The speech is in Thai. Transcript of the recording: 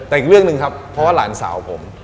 แต่อีกเรื่องหนึ่งครับเพราะว่าหลานสาวผม